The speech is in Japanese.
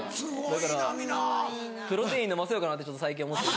だからプロテイン飲ませようかなってちょっと最近思って。